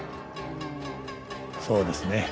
そうですね。